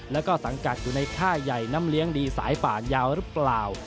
แล้วก็สังกัดอยู่ในค่ายใหญ่น้ำเลี้ยงดีสายป่านยาวหรือเปล่า